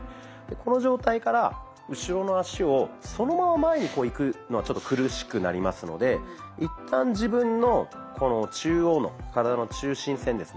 この状態から後ろの足をそのまま前にこういくのはちょっと苦しくなりますので一旦自分の中央の体の中心線ですね